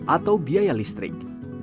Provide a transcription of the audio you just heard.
atau biaya listrik